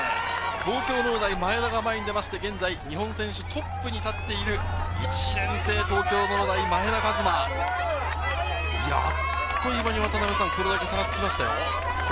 東京農大・前田が前に出まして、日本選手トップに立っている、１年生、東京農大・前田和摩、あっという間にこれだけ差がつきましたよ。